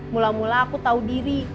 mula mula aku tahu diri